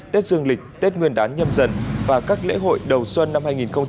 tết dương lịch tết nguyên đán nhâm dần và các lễ hội đầu xuân năm hai nghìn hai mươi